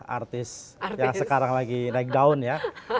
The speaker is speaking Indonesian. artis yang sekarang lagi naik down ya